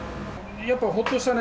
やっぱほっとしたね。